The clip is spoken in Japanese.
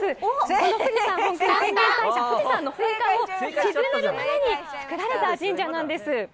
この富士山本宮浅間大社、富士山の噴火を沈めるために造られた神社なんです。